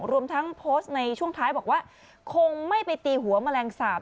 รวมทั้งโพสต์ในช่วงท้ายบอกว่าคงไม่ไปตีหัวแมลงสาป